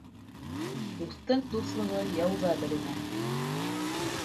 Дуҫтың дуҫлығы яуҙа беленә.